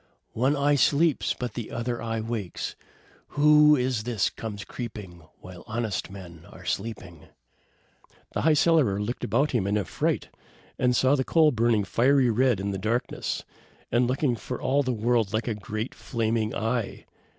one eye sleeps, but the other eye wakes! Who is this comes creeping, while honest men are sleeping?" The High Cellarer looked about him in affright, and saw the coal burning fiery red in the darkness, and looking for all the world like a great flaming eye.